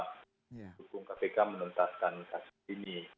mendukung kpk menuntaskan kasus ini